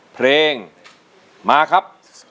เพลงมาครับ